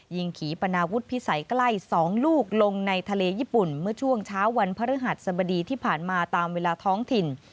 ยิงขี่ปนาวุฒิพิสัยใกล้๒ลูกลงในทะเลญี่ปุ่นเมื่อช่วงเช้าวันพฤหัสสบดีที่ผ่านมาตามเวลาท้องถิ่น